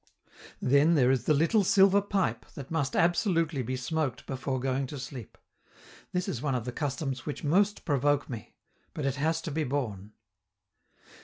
Then there is the little silver pipe that must absolutely be smoked before going to sleep; this is one of the customs which most provoke me, but it has to be borne.